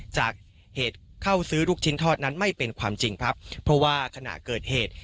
จากเหตุเข้าซื้อลูกชิ้นทอดนั้นไม่เป็นความจริงครับเพราะว่าขณะเกิดเหตุ